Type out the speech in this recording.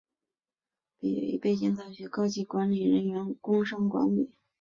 毕业于北京大学高级管理人员工商管理。